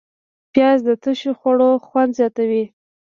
پیاز د تشو خوړو خوند زیاتوي